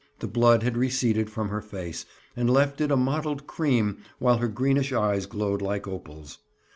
The blood had receded from her face and left it a mottled cream while her greenish eyes glowed like opals.